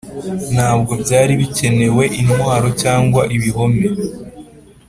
ntabwo byari bikenewe intwaro cyangwa ibihome